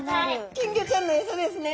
金魚ちゃんのエサですね。